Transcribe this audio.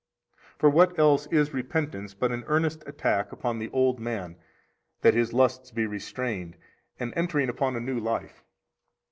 For what else is repentance but an earnest attack upon the old man [that his lusts be restrained] and entering upon a new life?